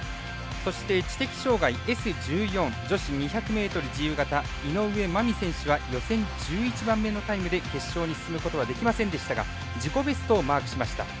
そして知的障がいＳ１４女子２００ｍ自由形井上舞美選手は予選１１番目のタイムで決勝に進むことはできませんでしたが自己ベストをマークしました。